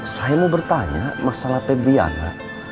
saya mau bertanya masalah febriana